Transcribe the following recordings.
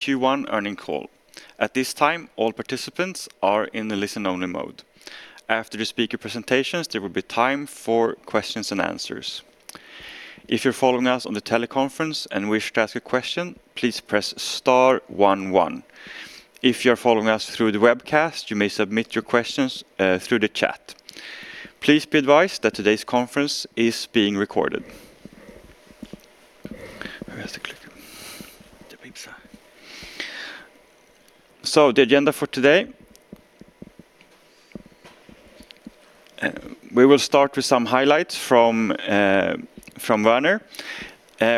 Q1 earning call. At this time, all participants are in the listen-only mode. After the speaker presentations, there will be time for questions and answers. If you're following us on the teleconference and wish to ask a question, please press star one one. If you're following us through the webcast, you may submit your questions through the chat. Please be advised that today's conference is being recorded. The agenda for today, we will start with some highlights from Werner,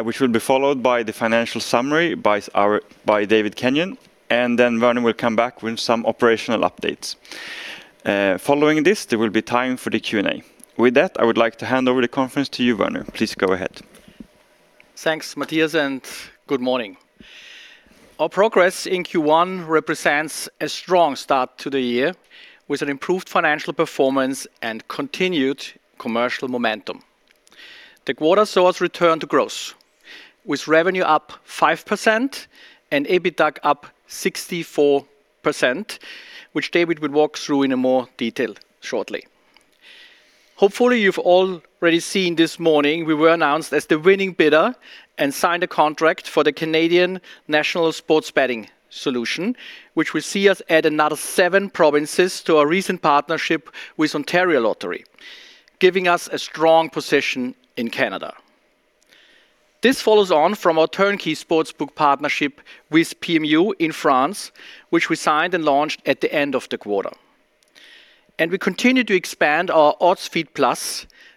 which will be followed by the financial summary by David Kenyon, and then Werner will come back with some operational updates. Following this, there will be time for the Q&A. With that, I would like to hand over the conference to you, Werner. Please go ahead. Thanks, Mattias. Good morning. Our progress in Q1 represents a strong start to the year with an improved financial performance and continued commercial momentum. The quarter saw us return to growth, with revenue up 5% and EBITDA up 64%, which David will walk through in a more detail shortly. Hopefully, you've already seen this morning we were announced as the winning bidder and signed a contract for the Canadian National Sports Betting Solution, which will see us add another seven provinces to our recent partnership with Ontario Lottery, giving us a strong position in Canada. This follows on from our turnkey sportsbook partnership with PMU in France, which we signed and launched at the end of the quarter. We continue to expand our Odds Feed+,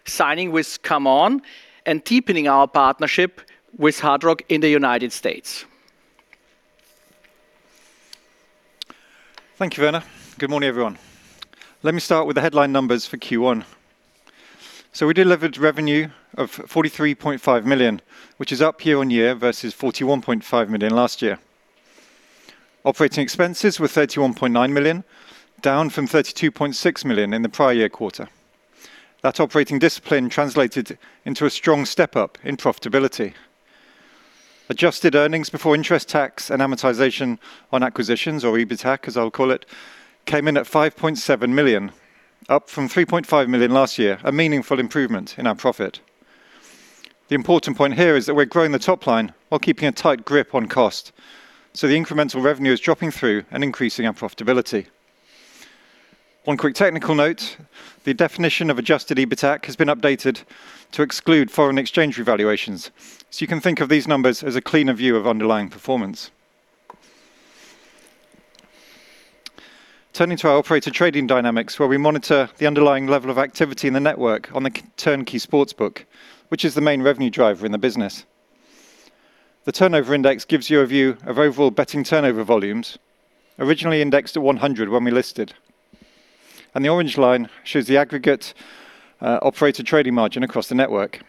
signing with ComeOn and deepening our partnership with Hard Rock in the United States. Thank you, Werner. Good morning, everyone. Let me start with the headline numbers for Q1. We delivered revenue of 43.5 million, which is up year-on-year versus 41.5 million last year. Operating expenses were 31.9 million, down from 32.6 million in the prior-year quarter. That operating discipline translated into a strong step up in profitability. Adjusted earnings before interest tax and amortization on acquisitions, or EBITAC as I'll call it, came in at 5.7 million, up from 3.5 million last year, a meaningful improvement in our profit. The important point here is that we're growing the top line while keeping a tight grip on cost. The incremental revenue is dropping through and increasing our profitability. One quick technical note, the definition of adjusted EBITAC has been updated to exclude foreign exchange revaluations. You can think of these numbers as a cleaner view of underlying performance. Turning to our operator trading dynamics, where we monitor the underlying level of activity in the network on the turnkey sportsbook, which is the main revenue driver in the business. The turnover index gives you a view of overall betting turnover volumes, originally indexed at 100 when we listed. The orange line shows the aggregate operator trading margin across the network.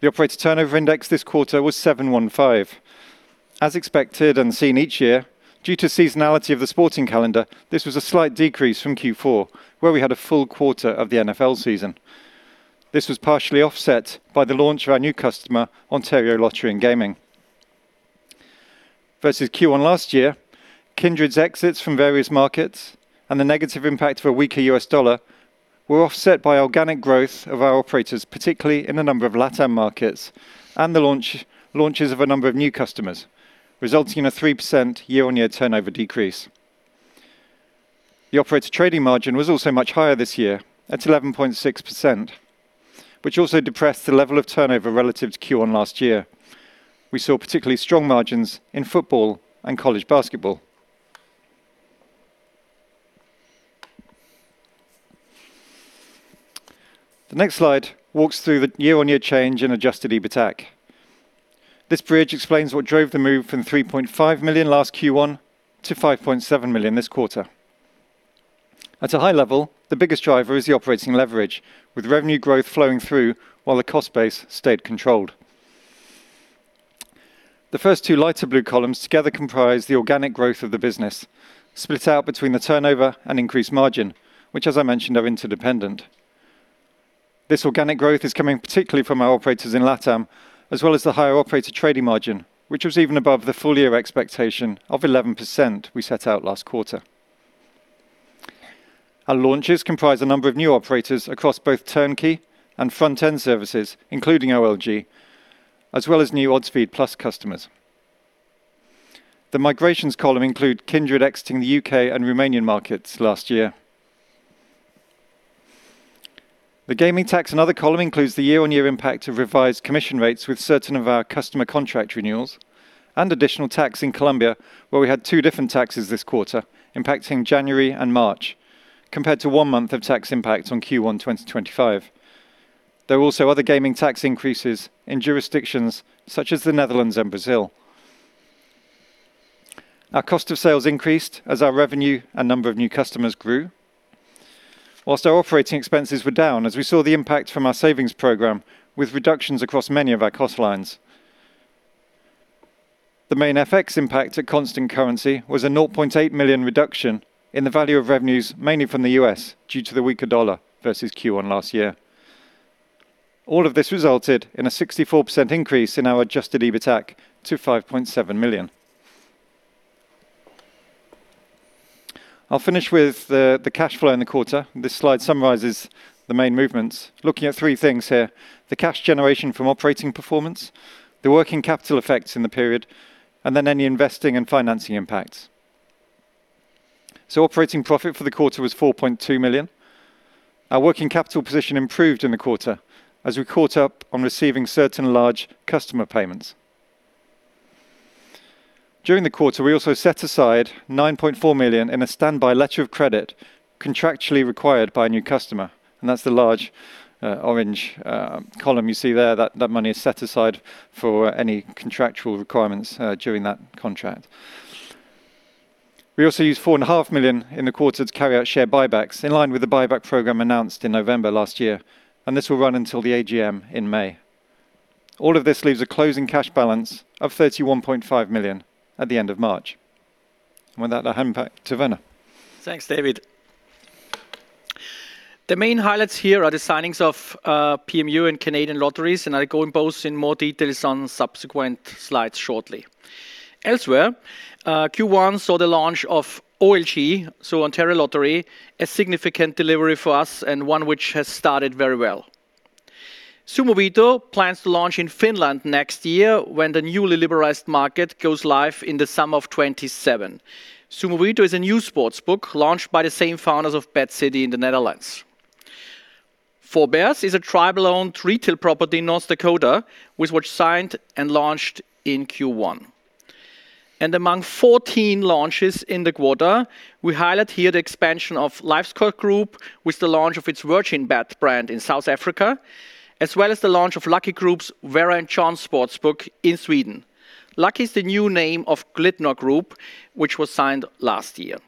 The operator turnover index this quarter was 715. As expected and seen each year, due to seasonality of the sporting calendar, this was a slight decrease from Q4, where we had a full quarter of the NFL season. This was partially offset by the launch of our new customer, Ontario Lottery and Gaming. Versus Q1 last year, Kindred exits from various markets and the negative impact of a weaker U.S. dollar were offset by organic growth of our operators, particularly in a number of LATAM markets and launches of a number of new customers, resulting in a 3% year-on-year turnover decrease. The operator trading margin was also much higher this year at 11.6%, which also depressed the level of turnover relative to Q1 last year. We saw particularly strong margins in football and college basketball. The next slide walks through the year-on-year change in adjusted EBITAC. This bridge explains what drove the move from 3.5 million last Q1 to 5.7 million this quarter. At a high level, the biggest driver is the operating leverage, with revenue growth flowing through while the cost base stayed controlled. The first two lighter blue columns together comprise the organic growth of the business, split out between the turnover and increased margin, which as I mentioned, are interdependent. This organic growth is coming particularly from our operators in LATAM, as well as the higher operator trading margin, which was even above the full-year expectation of 11% we set out last quarter. Our launches comprise a number of new operators across both turnkey and front-end services, including OLG, as well as new Odds Feed+ customers. The migrations column include Kindred exiting the U.K. and Romanian markets last year. The gaming tax and other column includes the year-on-year impact of revised commission rates with certain of our customer contract renewals and additional tax in Colombia, where we had two different taxes this quarter impacting January and March, compared to one month of tax impact on Q1 2025. There are also other gaming tax increases in jurisdictions such as the Netherlands and Brazil. Our cost of sales increased as our revenue and number of new customers grew. Whilst our operating expenses were down as we saw the impact from our savings program with reductions across many of our cost lines. The main FX impact at constant currency was a 0.8 million reduction in the value of revenues mainly from the U.S. due to the weaker dollar versus Q1 last year. All of this resulted in a 64% increase in our adjusted EBITAC to 5.7 million. I'll finish with the cash flow in the quarter. This slide summarizes the main movements, looking at three things here: the cash generation from operating performance, the working capital effects in the period, and then any investing and financing impacts. Operating profit for the quarter was 4.2 million. Our working capital position improved in the quarter as we caught up on receiving certain large customer payments. During the quarter, we also set aside 9.4 million in a standby letter of credit contractually required by a new customer, and that's the large orange column you see there. That money is set aside for any contractual requirements during that contract. We also used 4.5 million in the quarter to carry out share buybacks in line with the buyback program announced in November last year, and this will run until the AGM in May. All of this leaves a closing cash balance of 31.5 million at the end of March. With that, I hand back to Werner. Thanks, David. The main highlights here are the signings of PMU and Canadian Lotteries. I go in both in more details on subsequent slides shortly. Elsewhere, Q1 saw the launch of OLG, so Ontario Lottery, a significant delivery for us and one which has started very well. Sumo Vito plans to launch in Finland next year when the newly liberalized market goes live in the summer of 2027. SuomiVeto is a new sportsbook launched by the same founders of BetCity in the Netherlands. 4 Bears is a tribe-owned retail property in North Dakota with which signed and launched in Q1. Among 14 launches in the quarter, we highlight here the expansion of LiveScore Group with the launch of its Virgin Bet brand in South Africa, as well as the launch of LCKY Group's Vera&John sportsbook in Sweden. LCKY Group is the new name of Glitnor Group, which was signed last year.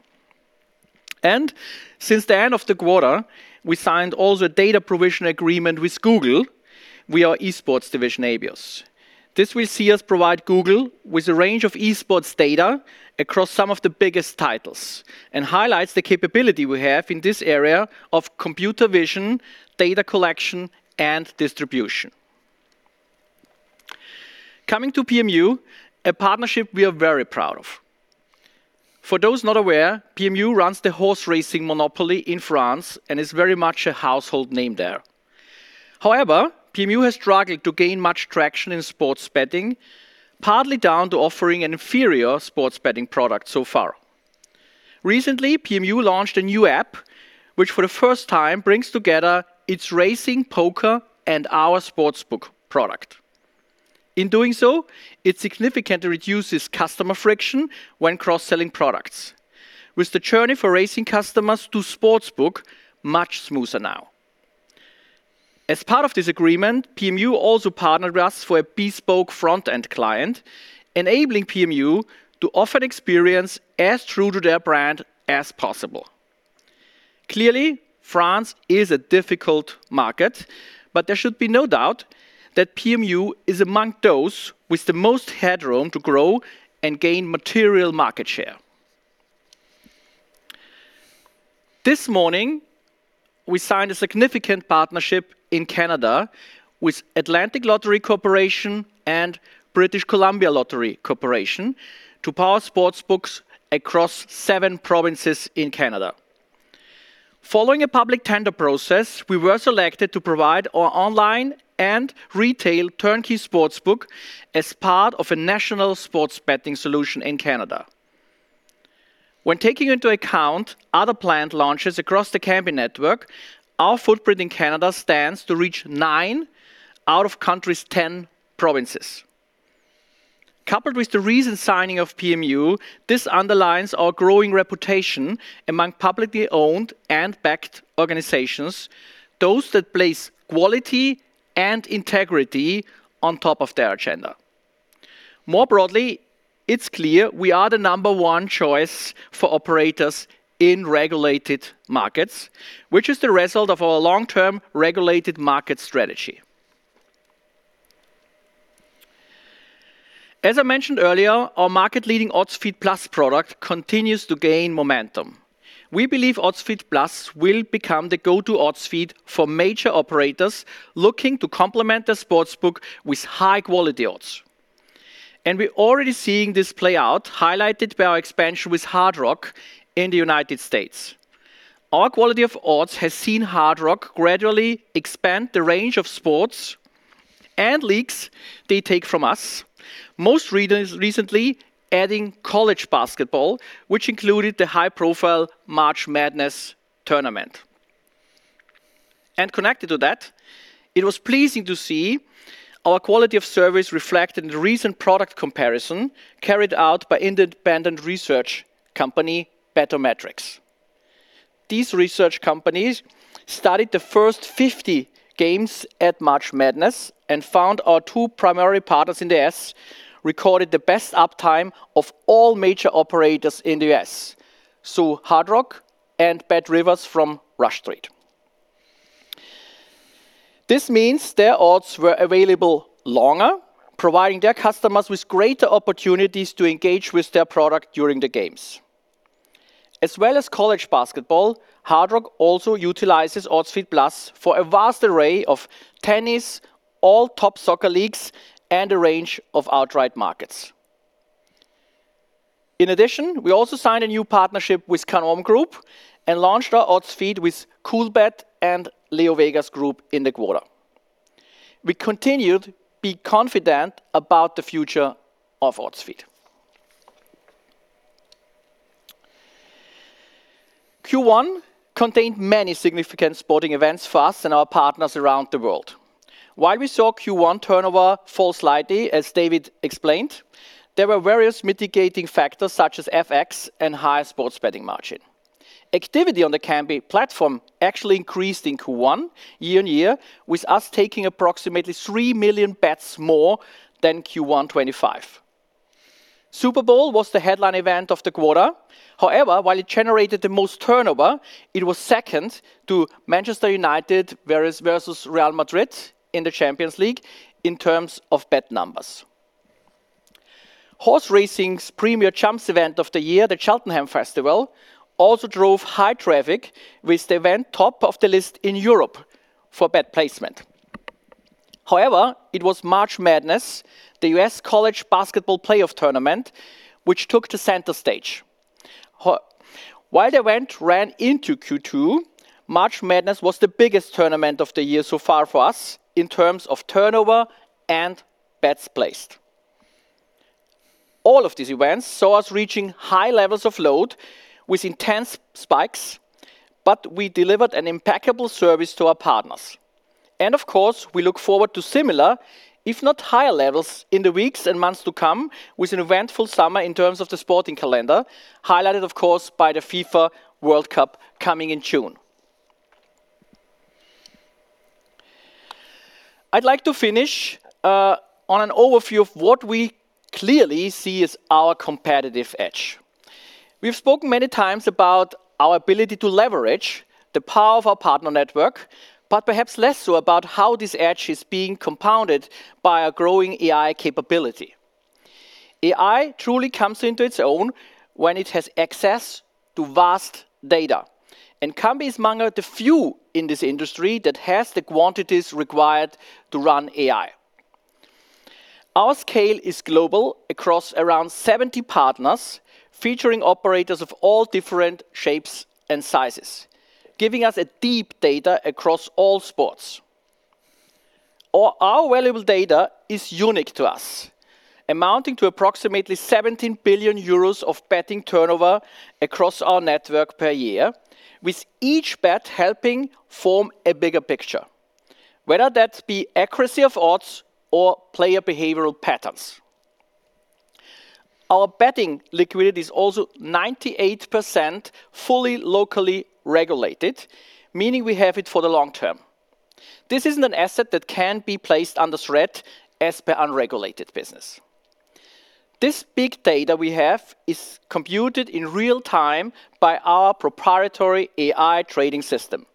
Since the end of the quarter, we signed also a data provision agreement with Google via our esports division, Abios. This will see us provide Google with a range of esports data across some of the biggest titles and highlights the capability we have in this area of computer vision, data collection, and distribution. Coming to PMU, a partnership we are very proud of. For those not aware, PMU runs the horse racing monopoly in France and is very much a household name there. However, PMU has struggled to gain much traction in sports betting, partly down to offering an inferior sports betting product so far. Recently, PMU launched a new app, which for the first time brings together its racing, poker, and our sportsbook product. In doing so, it significantly reduces customer friction when cross-selling products. With the journey for racing customers to sportsbook much smoother now. As part of this agreement, PMU also partnered with us for a bespoke front-end client, enabling PMU to offer an experience as true to their brand as possible. Clearly, France is a difficult market, but there should be no doubt that PMU is among those with the most headroom to grow and gain material market share. This morning, we signed a significant partnership in Canada with Atlantic Lottery Corporation and British Columbia Lottery Corporation to power sportsbooks across seven provinces in Canada. Following a public tender process, we were selected to provide our online and retail turnkey sportsbook as part of a national sports betting solution in Canada. When taking into account other planned launches across the Kambi network, our footprint in Canada stands to reach nine out of country's ten provinces. Coupled with the recent signing of PMU, this underlines our growing reputation among publicly owned and backed organizations, those that place quality and integrity on top of their agenda. More broadly, it's clear we are the number one choice for operators in regulated markets, which is the result of our long-term regulated market strategy. As I mentioned earlier, our market-leading Odds Feed+ product continues to gain momentum. We believe Odds Feed+ will become the go-to Odds Feed for major operators looking to complement their sportsbook with high-quality odds. We're already seeing this play out, highlighted by our expansion with Hard Rock in the United States. Our quality of odds has seen Hard Rock gradually expand the range of sports and leagues they take from us, most recently adding college basketball, which included the high-profile March Madness Tournament. Connected to that, it was pleasing to see our quality of service reflected in the recent product comparison carried out by independent research company Bettormetrics. These research companies studied the first 50 games at March Madness and found our two primary partners in the U.S. recorded the best uptime of all major operators in the U.S., so Hard Rock and BetRivers from Rush Street. This means their odds were available longer, providing their customers with greater opportunities to engage with their product during the games. As well as college basketball, Hard Rock also utilizes Odds Feed+ for a vast array of tennis, all top soccer leagues, and a range of outright markets. In addition, we also signed a new partnership with Kindred Group and launched our Odds Feed+ with Coolbet and LeoVegas Group in the quarter. We continued be confident about the future of Odds Feed+. Q1 contained many significant sporting events for us and our partners around the world. While we saw Q1 turnover fall slightly, as David explained, there were various mitigating factors such as FX and higher sports betting margin. Activity on the Kambi platform actually increased in Q1 year-on-year, with us taking approximately 3 million bets more than Q1 2025. Super Bowl was the headline event of the quarter. While it generated the most turnover, it was second to Manchester United versus Real Madrid in the Champions League in terms of bet numbers. Horse racing's premier jumps event of the year, the Cheltenham Festival, also drove high traffic with the event top of the list in Europe for bet placement. It was March Madness, the U.S. College Basketball Playoff Tournament, which took to center stage. While event ran into Q2, March Madness was the biggest tournament of the year so far for us in terms of turnover and bets placed. All of these events saw us reaching high levels of load with intense spikes, we delivered an impeccable service to our partners. Of course, we look forward to similar, if not higher levels, in the weeks and months to come with an eventful summer in terms of the sporting calendar, highlighted of course by the FIFA World Cup coming in June. I'd like to finish on an overview of what we clearly see as our competitive edge. We've spoken many times about our ability to leverage the power of our partner network, but perhaps less so about how this edge is being compounded by our growing AI capability. AI truly comes into its own when it has access to vast data, and Kambi is among the few in this industry that has the quantities required to run AI. Our scale is global across around 70 partners, featuring operators of all different shapes and sizes, giving us a deep data across all sports. Our valuable data is unique to us, amounting to approximately 17 billion euros of betting turnover across our network per year, with each bet helping form a bigger picture, whether that be accuracy of odds or player behavioral patterns. Our betting liquidity is also 98% fully locally regulated, meaning we have it for the long-term. This isn't an asset that can be placed under threat as per unregulated business. This big data we have is computed in real-time by our proprietary AI trading system,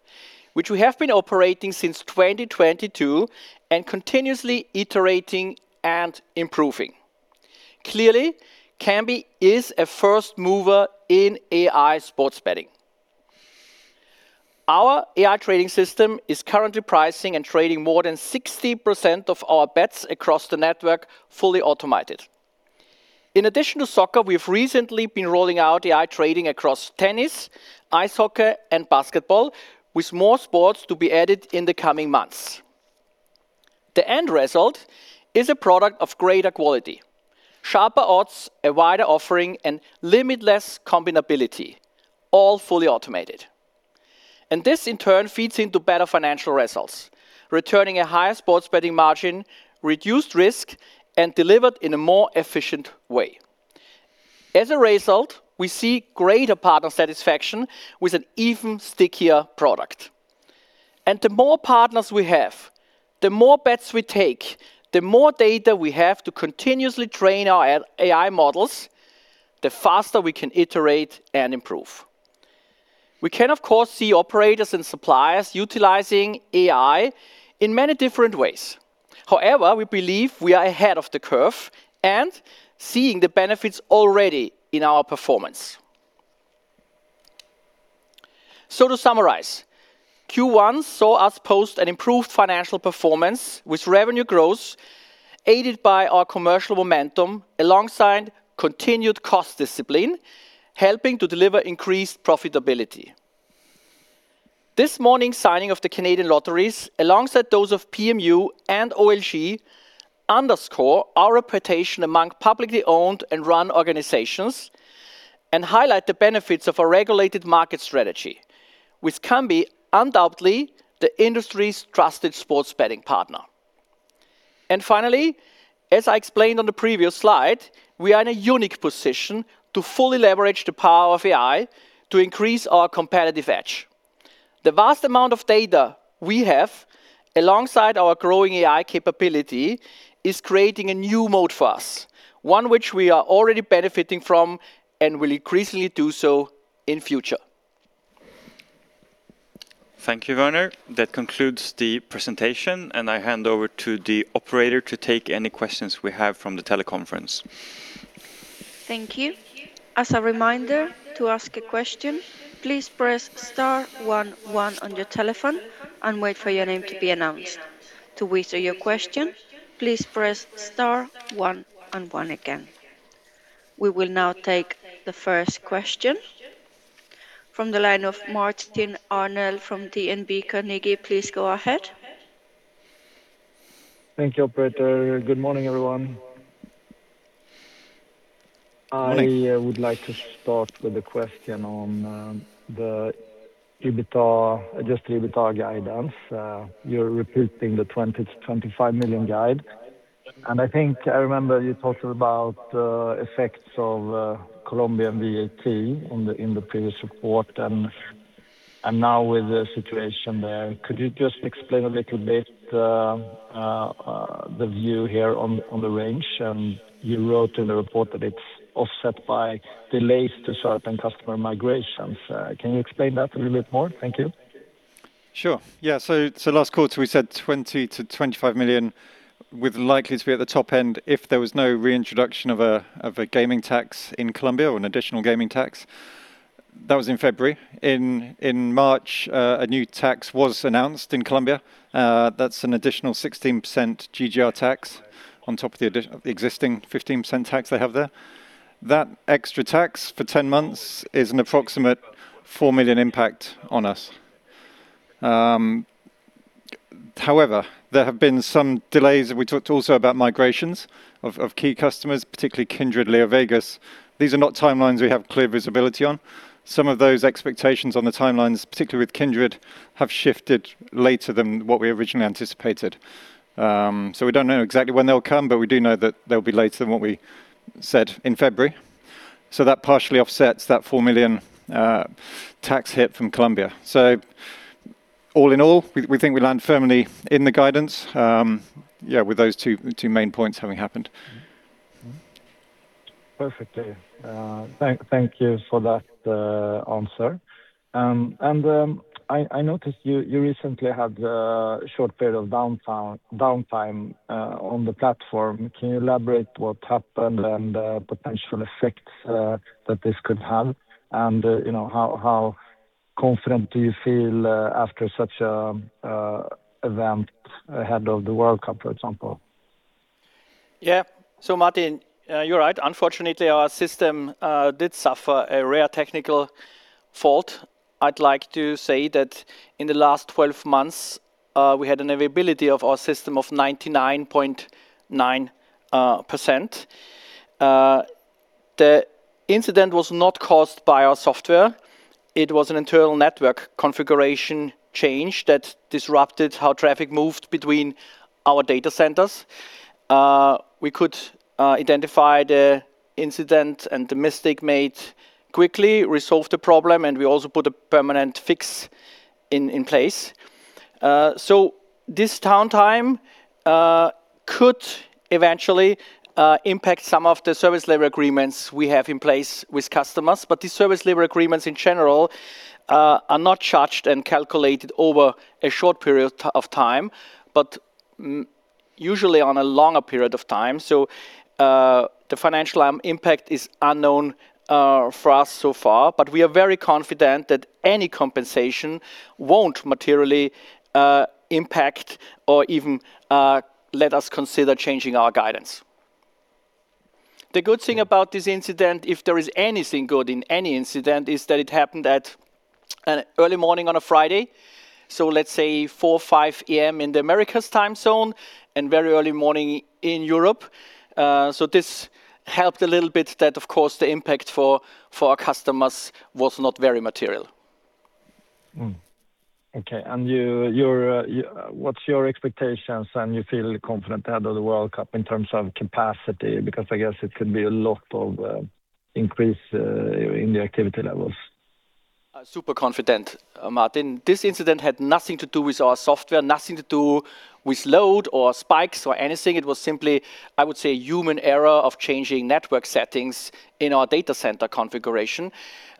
which we have been operating since 2022 and continuously iterating and improving. Clearly, Kambi is a first mover in AI sports betting. Our AI trading system is currently pricing and trading more than 60% of our bets across the network fully automated. In addition to soccer, we've recently been rolling out AI trading across tennis, ice hockey, and basketball, with more sports to be added in the coming months. The end result is a product of greater quality, sharper odds, a wider offering, and limitless combinability, all fully automated. This, in turn, feeds into better financial results, returning a higher sports betting margin, reduced risk, and delivered in a more efficient way. As a result, we see greater partner satisfaction with an even stickier product. The more partners we have, the more bets we take, the more data we have to continuously train our AI models, the faster we can iterate and improve. We can, of course, see operators and suppliers utilizing AI in many different ways. However, we believe we are ahead of the curve and seeing the benefits already in our performance. To summarize, Q1 saw us post an improved financial performance with revenue growth aided by our commercial momentum alongside continued cost discipline, helping to deliver increased profitability. This morning's signing of the Canadian Lotteries, alongside those of PMU and OLG, underscore our reputation among publicly owned and run organizations and highlight the benefits of a regulated market strategy with Kambi undoubtedly the industry's trusted sports betting partner. Finally, as I explained on the previous slide, we are in a unique position to fully leverage the power of AI to increase our competitive edge. The vast amount of data we have, alongside our growing AI capability, is creating a new mode for us, one which we are already benefiting from and will increasingly do so in future. Thank you, Werner. That concludes the presentation. I hand over to the operator to take any questions we have from the teleconference. Thank you. As a reminder, to ask a question, please press star one one on your telephone and wait for your name to be announced. To withdraw your question, please press star one and one again. We will now take the first question. From the line of Martin Arnell from DNB Carnegie, please go ahead. Thank you, Operator. Good morning, everyone. Morning. I would like to start with a question on the EBITDA, adjusted EBITDA guidance. You're repeating the 20 million-25 million guide, and I think I remember you talked about effects of Colombian VAT in the previous report. Now with the situation there, could you just explain a little bit the view here on the range? You wrote in the report that it's offset by delays to certain customer migrations. Can you explain that a little bit more? Thank you. Sure. Yeah. Last quarter we said 20 million-25 million with the likeliness to be at the top end if there was no reintroduction of a gaming tax in Colombia or an additional gaming tax. That was in February. In March, a new tax was announced in Colombia. That's an additional 16% GGR tax on top of the existing 15% tax they have there. That extra tax for 10 months is an approximate 4 million impact on us. However, there have been some delays. We talked also about migrations of key customers, particularly Kindred, LeoVegas. These are not timelines we have clear visibility on. Some of those expectations on the timelines, particularly with Kindred, have shifted later than what we originally anticipated. We don't know exactly when they'll come, but we do know that they'll be later than what we said in February. That partially offsets that 4 million tax hit from Colombia. All in all, we think we land firmly in the guidance, with those two main points having happened. Perfectly. Thank you for that answer. I noticed you recently had a short period of downtime on the platform. Can you elaborate what happened and the potential effects that this could have? You know, how confident do you feel after such event ahead of the World Cup, for example? Martin, you're right. Unfortunately, our system did suffer a rare technical fault. I'd like to say that in the last 12 months, we had an availability of our system of 99.9%. The incident was not caused by our software. It was an internal network configuration change that disrupted how traffic moved between our data centers. We could identify the incident and the mistake made quickly, resolve the problem, and we also put a permanent fix in place. This downtime could eventually impact some of the service level agreements we have in place with customers. These service level agreements in general are not charged and calculated over a short period of time, but usually on a longer period of time. The financial impact is unknown for us so far. We are very confident that any compensation won't materially impact or even let us consider changing our guidance. The good thing about this incident, if there is anything good in any incident, is that it happened at an early morning on a Friday. Let's say 4:00 A.M.-5:00 A.M. in the Americas time zone and very early morning in Europe. This helped a little bit that of course the impact for our customers was not very material. Okay. What's your expectations and you feel confident ahead of the World Cup in terms of capacity? Because I guess it could be a lot of increase in the activity levels. Super confident, Martin. This incident had nothing to do with our software, nothing to do with load or spikes or anything. It was simply, I would say, human error of changing network settings in our data center configuration.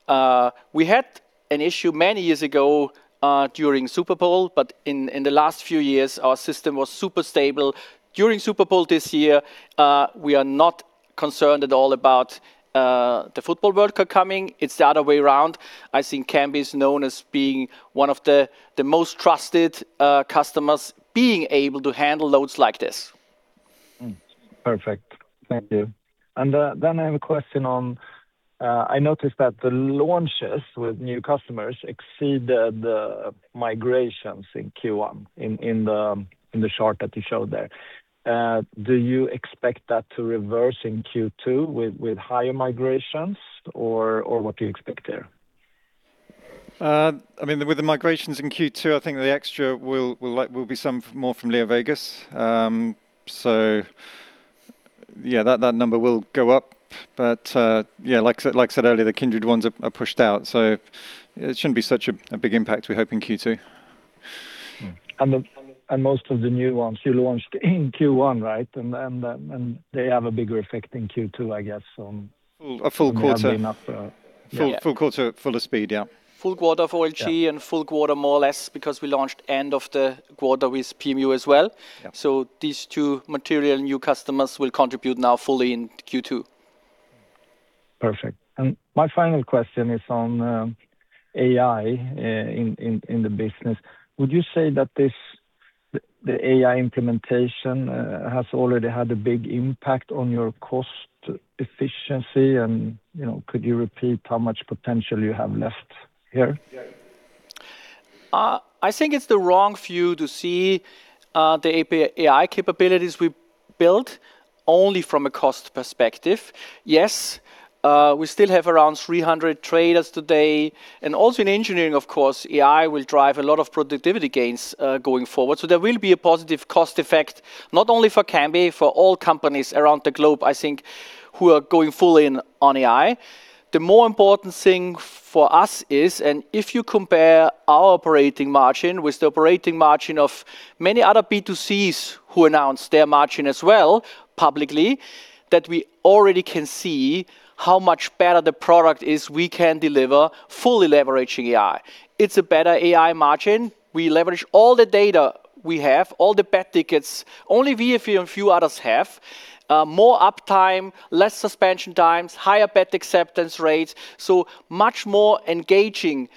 We had an issue many years ago during Super Bowl. But in the last few years, our system was super stable during Super Bowl this year. We are not concerned at all about the Football World Cup coming. It's the other way around. I think Kambi is known as being one of the most trusted customers being able to handle loads like this. Perfect. Thank you. I have a question on, I noticed that the launches with new customers exceed the migrations in Q1 in the chart that you showed there. Do you expect that to reverse in Q2 with higher migrations or what do you expect there? I mean, with the migrations in Q2, I think the extra will be some more from LeoVegas. Yeah, that number will go up. Like said, like I said earlier, the Kindred ones are pushed out, so it shouldn't be such a big impact we hope in Q2. Most of the new ones you launched in Q1, right? They have a bigger effect in Q2, I guess. A full quarter. May have been up. Full quarter at full speed, yeah. Full quarter for OLG. Yeah. And full quarter more or less because we launched end of the quarter with PMU as well. Yeah. These two material new customers will contribute now fully in Q2. Perfect. My final question is on AI in the business. Would you say that the AI implementation has already had a big impact on your cost efficiency and, you know, could you repeat how much potential you have left here? I think it's the wrong view to see AI capabilities we built only from a cost perspective. Yes, we still have around 300 traders today, and also in engineering, of course, AI will drive a lot of productivity gains going forward. There will be a positive cost effect, not only for Kambi, for all companies around the globe, I think, who are going full in on AI. The more important thing for us is, and if you compare our operating margin with the operating margin of many other B2Cs who announce their margin as well publicly, that we already can see how much better the product is we can deliver fully leveraging AI. It's a better AI margin. We leverage all the data we have, all the bet tickets. Only we and few others have. More uptime, less suspension times, higher bet acceptance rates, so much more engaging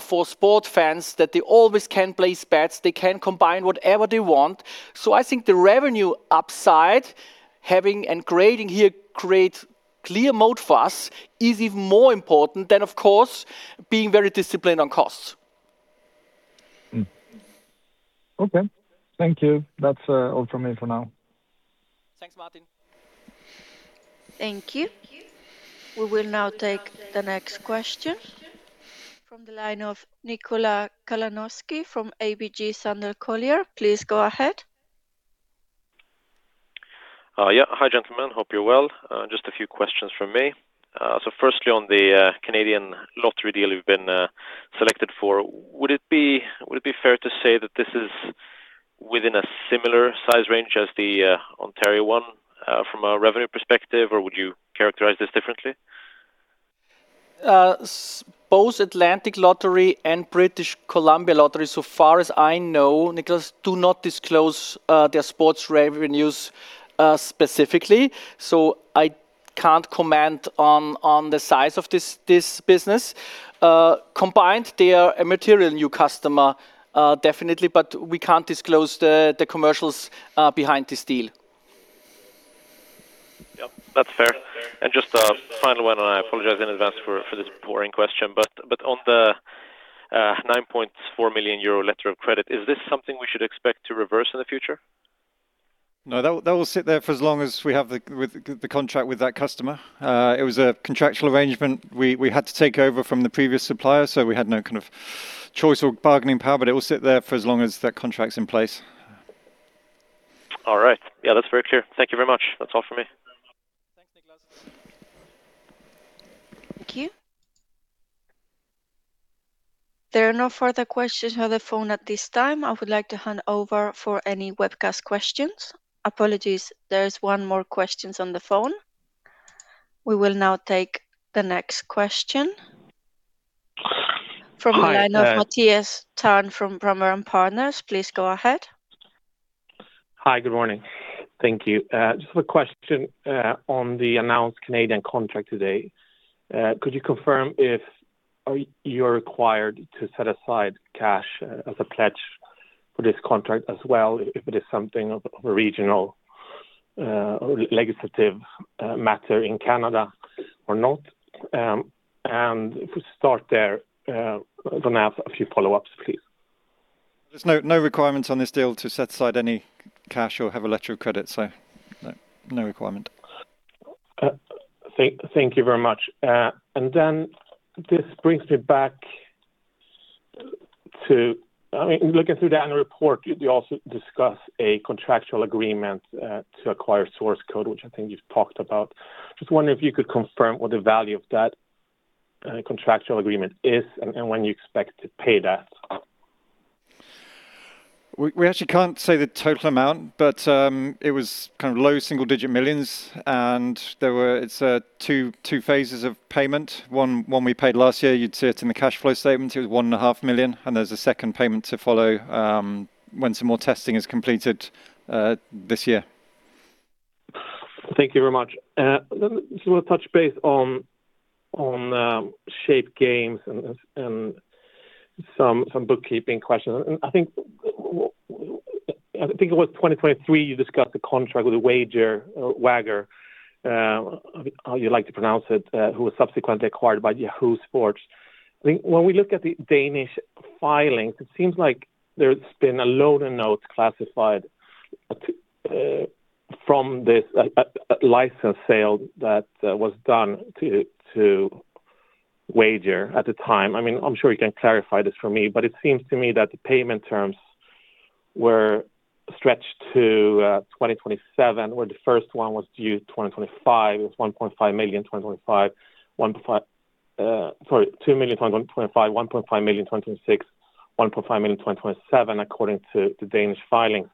for sport fans that they always can place bets. They can combine whatever they want. I think the revenue upside having and creating here create clear moat for us is even more important than, of course, being very disciplined on costs. Okay. Thank you. That's all from me for now. Thanks, Martin. Thank you. We will now take the next question from the line of Nikola Kalanoski from ABG Sundal Collier. Please go ahead. Hi, gentlemen. Hope you're well. I just have a few questions. Firstly, on the Canadian lottery deal you've been selected for, would it be fair to say that this is within a similar size range as the Ontario one, from a revenue perspective, or would you characterize this differently? Both Atlantic Lottery and British Columbia Lottery, so far as I know, Nikola, do not disclose their sports revenues specifically. I can't comment on the size of this business. Combined, they are a material new customer definitely, We can't disclose the commercials behind this deal. Yep, that's fair. Just a final one, I apologize in advance for this boring question. On the 9.4 million euro letter of credit, is this something we should expect to reverse in the future? No, that will sit there for as long as we have the contract with that customer. It was a contractual arrangement. We had to take over from the previous supplier, so we had no kind of choice or bargaining power, but it will sit there for as long as that contract's in place. All right. Yeah, that's very clear. Thank you very much. That's all from me. Thanks, Nikola. Thank you. There are no further questions on the phone at this time. I would like to hand over for any webcast questions. Apologies, there's one more question on the phone. We will now take the next question from. Hi, The line of Mattias Thärn from Brummer & Partners. Please go ahead. Hi, good morning. Thank you. Just a question on the announced Canadian contract today. Could you confirm if you're required to set aside cash as a pledge for this contract as well, if it is something of a regional or legislative matter in Canada or not? If we start there, then I have a few follow-ups, please. There's no requirements on this deal to set aside any cash or have a letter of credit, so no requirement. Thank you very much. This brings me back. I mean, looking through the annual report, you also discuss a contractual agreement to acquire source code, which I think you've talked about. Just wondering if you could confirm what the value of that contractual agreement is and when you expect to pay that? We actually can't say the total amount, but it was kind of low-single-digit millions, and it's two phases of payment. One we paid last year. You'd see it in the cash flow statement. It was 1.5 million, and there's a second payment to follow when some more testing is completed this year. Thank you very much. I just want to touch base on Shape Games and some bookkeeping questions. I think it was 2023 you discussed the contract with the Wager or Wagerr, who was subsequently acquired by Yahoo Sports. I think when we look at the Danish filings, it seems like there's been a loan and note classified from this license sale that was done to Wager at the time. I mean, I'm sure you can clarify this for me, but it seems to me that the payment terms were stretched to 2027 where the first one was due 2025. It was 1.5 million 2025. 2 million 2025, 1.5 million 2026, 1.5 million 2027 according to the Danish filing,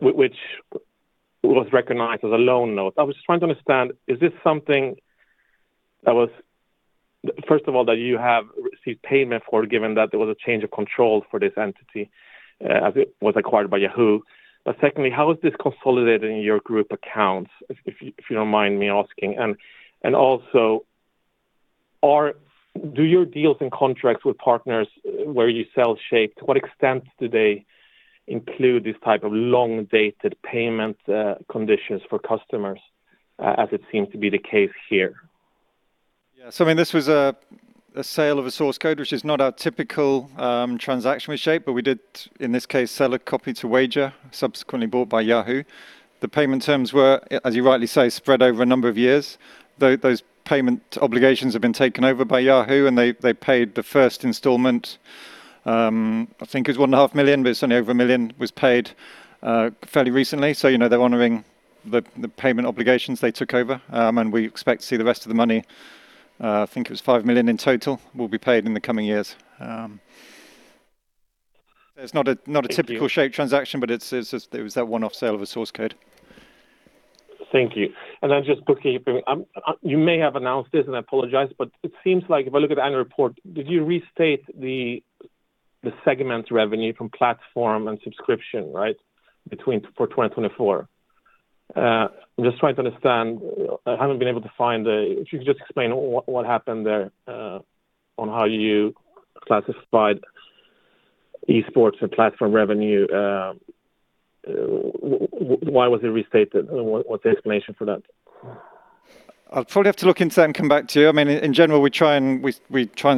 which was recognized as a loan note. I was just trying to understand, is this something that was first of all, that you have received payment for given that there was a change of control for this entity, as it was acquired by Yahoo? Secondly, how is this consolidated in your group accounts, if you don't mind me asking? Do your deals and contracts with partners where you sell Shape, to what extent do they include this type of long-dated payment conditions for customers, as it seems to be the case here? I mean, this was a sale of a source code, which is not our typical transaction with Shape, but we did, in this case, sell a copy to Wager, subsequently bought by Yahoo. The payment terms were, as you rightly say, spread over a number of years. Those payment obligations have been taken over by Yahoo, and they paid the first installment, I think it was 1.5 million, but it's only over 1 million was paid fairly recently. You know, they're honoring the payment obligations they took over. We expect to see the rest of the money, I think it was 5 million in total, will be paid in the coming years. It's not a. Thank you. Typical Shape transaction, but it's, it was that one-off sale of a source code. Thank you. Then just bookkeeping. You may have announced this, and I apologize, but it seems like if I look at the annual report, did you restate the segment revenue from platform and subscription, right, for 2024? I'm just trying to understand. I haven't been able to find. If you could just explain what happened there on how you classified esports and platform revenue. Why was it restated, and what's the explanation for that? I'll probably have to look into that and come back to you. I mean, in general, we try and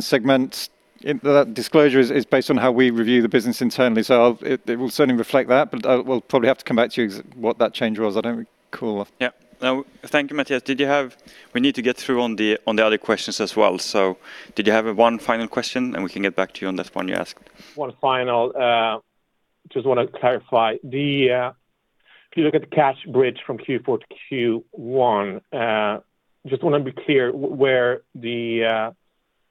segment that disclosure is based on how we review the business internally. It will certainly reflect that, but we'll probably have to come back to you what that change was. I don't recall. Yeah. No. Thank you, Mattias. We need to get through on the other questions as well. Did you have a one final question, and we can get back to you on that one you asked? One final, just wanna clarify. If you look at the cash bridge from Q4 to Q1, just wanna be clear where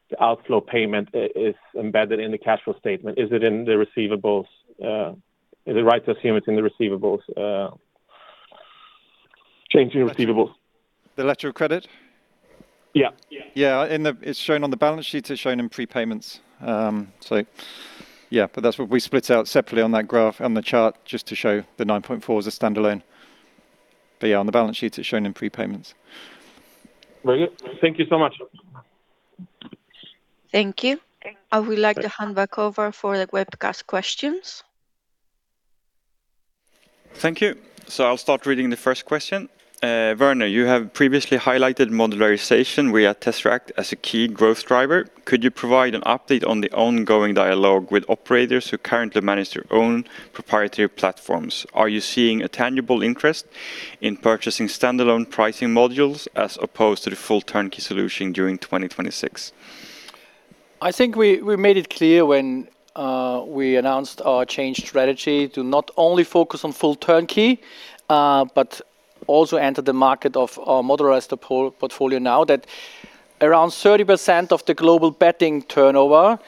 the outflow payment is embedded in the cash flow statement. Is it in the receivables? Is it right to assume it's in the receivables, change in receivables? The letter of credit? Yeah. Yeah. It's shown on the balance sheet. It's shown in prepayments. Yeah, but that's what we split out separately on that graph, on the chart, just to show the 9.4 as a standalone. Yeah, on the balance sheet, it's shown in prepayments. Very good. Thank you so much. Thank you. I would like to hand back over for the webcast questions. Thank you. I'll start reading the first question. Werner, you have previously highlighted modularization re Tzeract as a key growth driver. Could you provide an update on the ongoing dialogue with operators who currently manage their own proprietary platforms? Are you seeing a tangible interest in purchasing standalone pricing modules as opposed to the full turnkey solution during 2026? I think we made it clear when we announced our change strategy to not only focus on full turnkey, but also enter the market of our modularized portfolio now that around 30% of the global betting turnover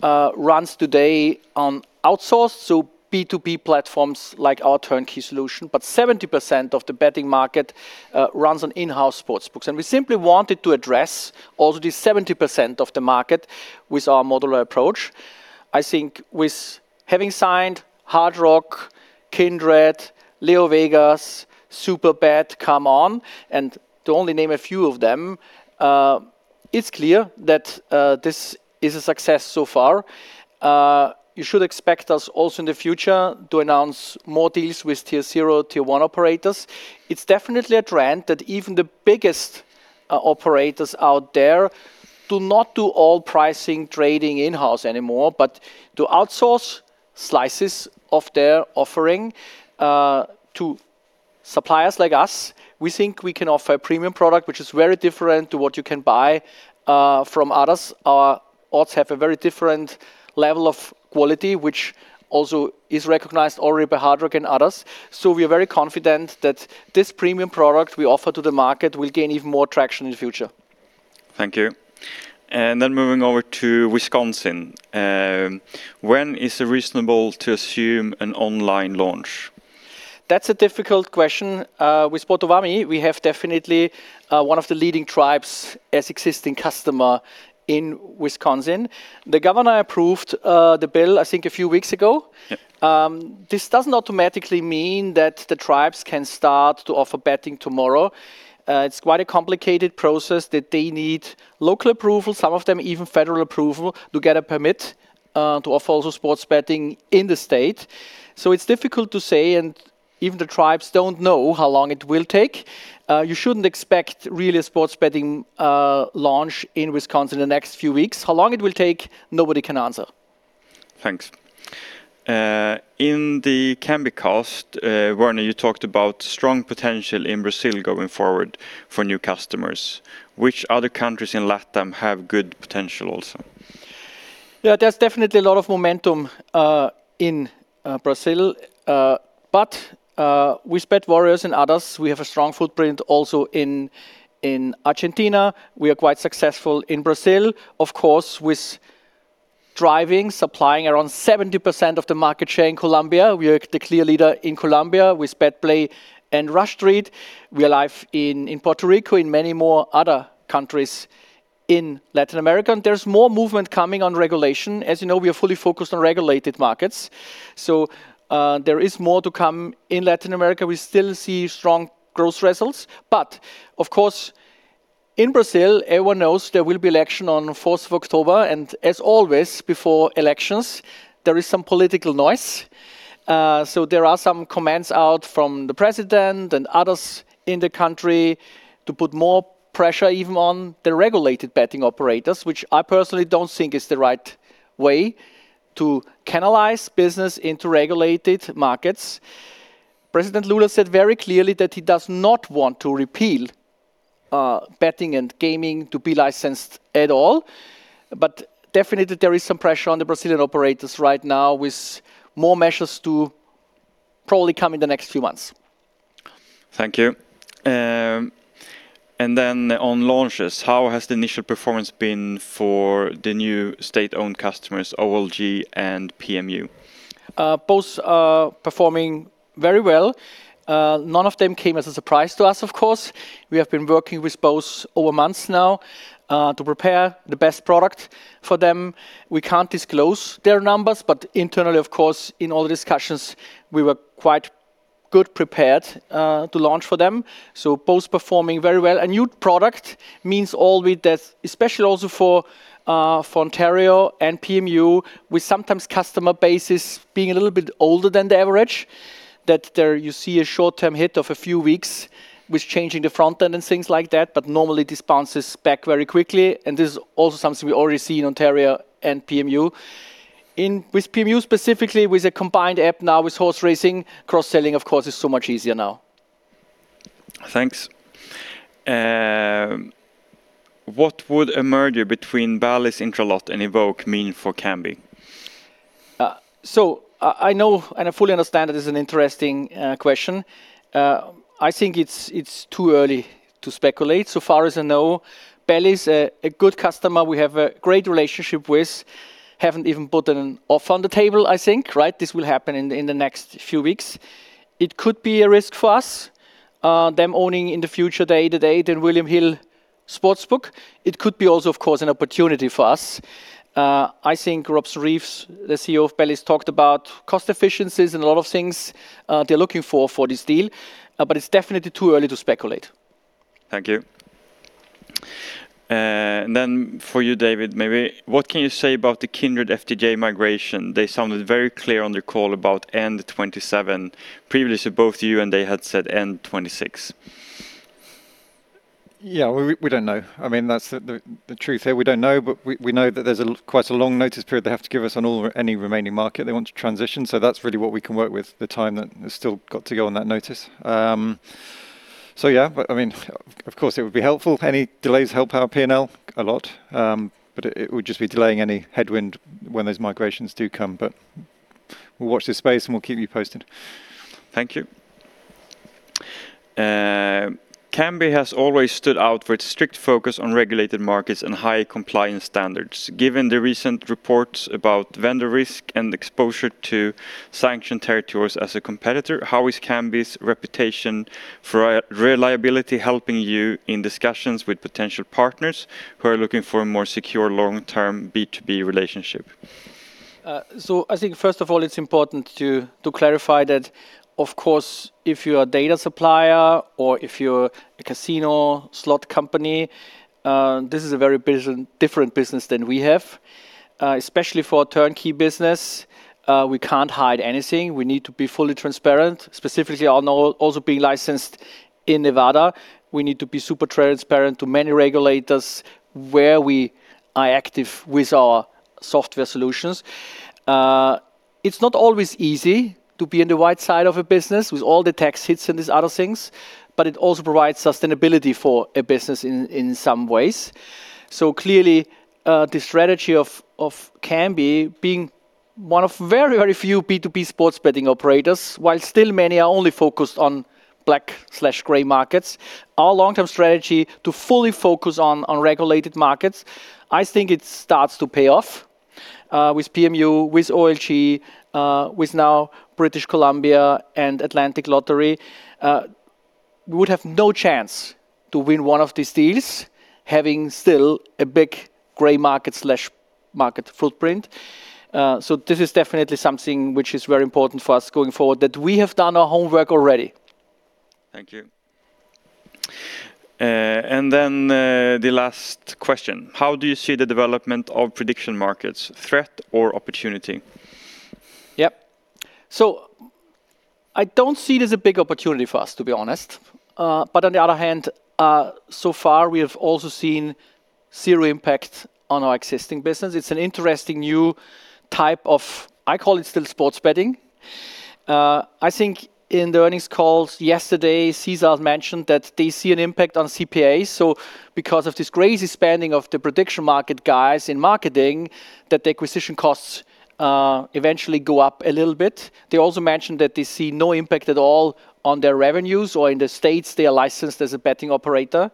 runs today on outsourced, so B2B platforms like our turnkey solution. 70% of the betting market runs on in-house sportsbooks. We simply wanted to address also the 70% of the market with our modular approach. I think with having signed Hard Rock, Kindred, LeoVegas, Superbet, ComeOn, and to only name a few of them, it's clear that this is a success so far. You should expect us also in the future to announce more deals with Tier 0, Tier 1 operators. It's definitely a trend that even the biggest operators out there do not do all pricing, trading in-house anymore, but to outsource slices of their offering to suppliers like us. We think we can offer a premium product which is very different to what you can buy from others. Our odds have a very different level of quality, which also is recognized already by Hard Rock and others. We are very confident that this premium product we offer to the market will gain even more traction in the future. Thank you. Moving over to Wisconsin. When is it reasonable to assume an online launch? That's a difficult question. With Potawatomi, we have definitely one of the leading tribes as existing customer in Wisconsin. The governor approved the bill, I think, a few weeks ago. Yep. This doesn't automatically mean that the tribes can start to offer betting tomorrow. It's quite a complicated process that they need local approval, some of them even federal approval, to get a permit to offer also sports betting in the state. It's difficult to say, and even the tribes don't know how long it will take. You shouldn't expect really a sports betting launch in Wisconsin in the next few weeks. How long it will take, nobody can answer. Thanks. In the Kambi Cast, Werner, you talked about strong potential in Brazil going forward for new customers. Which other countries in LATAM have good potential also? Yeah, there's definitely a lot of momentum in Brazil. With BetWarrior and others, we have a strong footprint also in Argentina. We are quite successful in Brazil, of course, with driving, supplying around 70% of the market share in Colombia. We are the clear leader in Colombia with BetPlay and Rush Street. We are live in Puerto Rico, in many more other countries in Latin America, and there's more movement coming on regulation. As you know, we are fully focused on regulated markets. There is more to come in Latin America. We still see strong growth results. Of course, in Brazil, everyone knows there will be election on the 4th of October, and as always before elections, there is some political noise. There are some comments out from the president and others in the country to put more pressure even on the regulated betting operators, which I personally don't think is the right way to canalize business into regulated markets. President Lula said very clearly that he does not want to repeal betting and gaming to be licensed at all. Definitely, there is some pressure on the Brazilian operators right now with more measures to probably come in the next few months. Thank you. Then on launches, how has the initial performance been for the new state-owned customers, OLG and PMU? Both are performing very well. None of them came as a surprise to us, of course. We have been working with both over months now to prepare the best product for them. We can't disclose their numbers, but internally, of course, in all discussions, we were quite good prepared to launch for them. Both performing very well. A new product means all with this, especially also for Ontario and PMU, with sometimes customer bases being a little bit older than the average, that there you see a short-term hit of a few weeks with changing the front end and things like that, but normally this bounces back very quickly. This is also something we already see in Ontario and PMU. With PMU specifically, with a combined app now with horse racing, cross-selling, of course, is so much easier now. Thanks. What would a merger between Bally's Intralot and Evoke mean for Kambi? I know and I fully understand that is an interesting question. I think it's too early to speculate. So far as I know, Bally's a good customer we have a great relationship with, haven't even put an offer on the table, I think, right? This will happen in the next few weeks. It could be a risk for us, them owning in the future the 888 and William Hill sports book. It could be also, of course, an opportunity for us. I think Robeson Reeves, the CEO of Bally's, talked about cost efficiencies and a lot of things they're looking for for this deal, it's definitely too early to speculate. Thank you. Then for you, David, maybe what can you say about the Kindred migration? They sounded very clear on the call about end 2027. Previously, both you and they had said end 2026. Yeah, we don't know. I mean, that's the truth here. We don't know, but we know that there's a quite a long notice period they have to give us on any remaining market they want to transition. That's really what we can work with, the time that has still got to go on that notice. I mean, of course, it would be helpful. Any delays help our P&L a lot. but it would just be delaying any headwind when those migrations do come. We'll watch this space, and we'll keep you posted. Thank you. Kambi has always stood out for its strict focus on regulated markets and high compliance standards. Given the recent reports about vendor risk and exposure to sanctioned territories as a competitor, how is Kambi's reputation for reliability helping you in discussions with potential partners who are looking for a more secure long-term B2B relationship? I think first of all, it's important to clarify that, of course, if you're a data supplier or if you're a casino slot company, this is a very different business than we have. Especially for a turnkey business, we can't hide anything. We need to be fully transparent, specifically on also being licensed in Nevada. We need to be super transparent to many regulators where we are active with our software solutions. It's not always easy to be in the right side of a business with all the tax hits and these other things, but it also provides sustainability for a business in some ways. Clearly, the strategy of Kambi being one of very, very few B2B sports betting operators, while still many are only focused on black/gray markets, our long-term strategy to fully focus on regulated markets, I think it starts to pay off with PMU, with OLG, with now British Columbia and Atlantic Lottery. We would have no chance to win one of these deals having still a big gray market/market footprint. This is definitely something which is very important for us going forward, that we have done our homework already. Thank you. The last question. How do you see the development of prediction markets, threat or opportunity? Yep. I don't see it as a big opportunity for us, to be honest. On the other hand, so far, we have also seen zero impact on our existing business. It's an interesting new type of, I call it still sports betting. I think in the earnings calls yesterday, Caesars mentioned that they see an impact on CPAs. Because of this crazy spending of the prediction market guys in marketing, that the acquisition costs eventually go up a little bit. They also mentioned that they see no impact at all on their revenues or in the states they are licensed as a betting operator.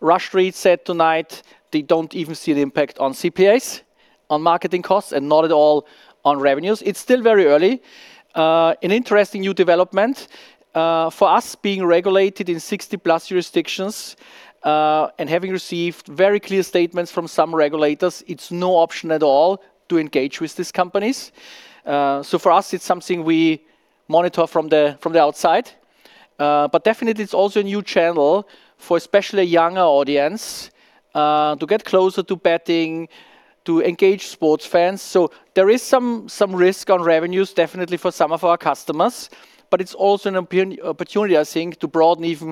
Rush Street said tonight they don't even see the impact on CPAs, on marketing costs, and not at all on revenues. It's still very early. An interesting new development for us being regulated in 60+ jurisdictions, having received very clear statements from some regulators, it's no option at all to engage with these companies. For us, it's something we monitor from the outside. Definitely, it's also a new channel for especially a younger audience to get closer to betting, to engage sports fans. There is some risk on revenues, definitely for some of our customers, but it's also an opportunity, I think, to broaden even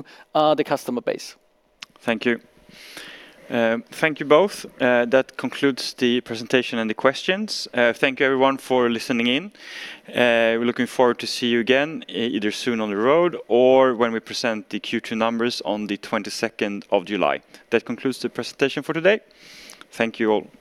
the customer base. Thank you. Thank you both. That concludes the presentation and the questions. Thank you everyone for listening in. We're looking forward to see you again, either soon on the road or when we present the Q2 numbers on the 22nd of July. That concludes the presentation for today. Thank you all.